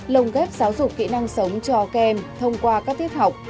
lồng ghép giáo dục kỹ năng sống cho các em thông qua các tiết học